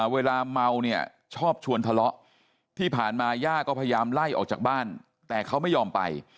เวลาเมาเนี่ยชอบชวนทะเลาะที่ผ่านมาย่าก็พยายามไล่ออกจากบ้านแต่เขาไม่ยอมไป